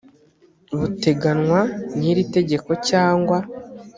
buteganywa n iri tegeko cyangwa